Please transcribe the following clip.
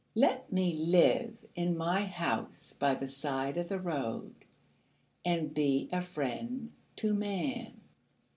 Let me live in my house by the side of the road And be a friend to man.